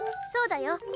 そうだよ。